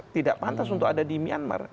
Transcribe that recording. tidak pantas untuk ada di myanmar